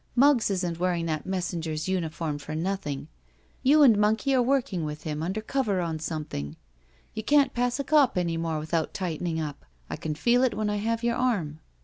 Muggs isn't wearing that messenger's uniform for nothing. You and Monkey are working with him under 132 THE VERTICAL CITY cover on something. You can't pass a cop any more without tightening up. I can feel it when I have your arm.